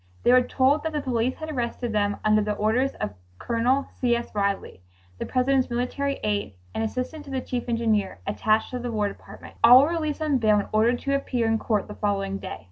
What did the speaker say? They were told that the police had arrested them under the orders of Col. C. S. Ridley, the President's military aide, and assistant to the Chief Engineer attached to the War Department. All were released on bail and ordered to appear in court the following day.